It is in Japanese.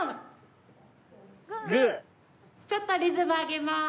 ちょっとリズム上げます。